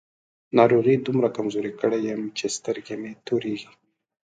ناروغۍ دومره کمزوری کړی يم چې سترګې مې تورېږي.